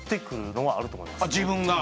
自分が？